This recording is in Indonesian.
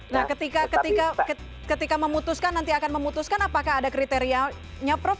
nah ketika memutuskan nanti akan memutuskan apakah ada kriterianya prof